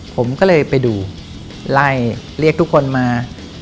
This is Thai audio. ผมก็เลยไปดูไล่เรียกทุกคนมา